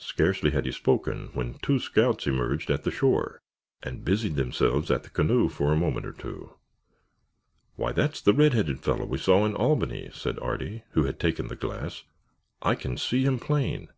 Scarcely had he spoken when two scouts emerged at the shore and busied themselves at the canoe for a moment or two. "Why, that's the red headed fellow we saw in Albany!" said Artie, who had taken the glass. "I can see him plain."